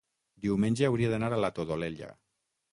Diumenge hauria d'anar a la Todolella.